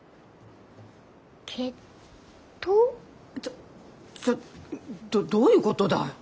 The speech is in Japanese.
ちょちょどどういうことだい？